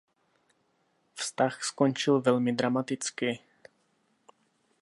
Vztah skončil velmi dramaticky.